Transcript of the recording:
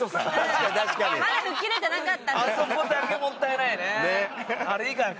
あそこだけもったいないね。